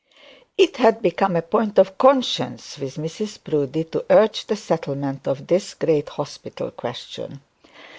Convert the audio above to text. It had become a point of conscience with Mrs Proudie to urge the settlement of this great hospital question.